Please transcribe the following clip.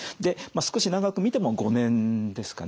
少し長く見ても５年ですかね。